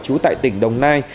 chú tại tỉnh đồng nai